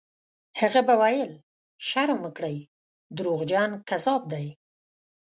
هغه به ویل: «شرم وکړئ! دروغجن، کذاب دی».